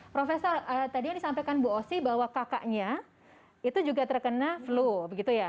profesor tadi yang disampaikan bu osi bahwa kakaknya itu juga terkena flu begitu ya